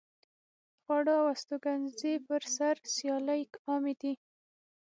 د خوړو او هستوګنځي پر سر سیالۍ عامې دي.